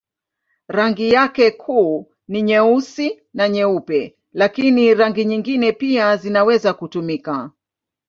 Rangi yake kuu ni nyeusi na nyeupe, lakini rangi nyingine pia zinaweza kutumika.